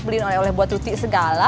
beliin oleh oleh buat tutik segala